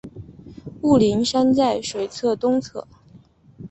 雾灵山在水库东侧。